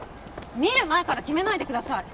見る前から決めないでください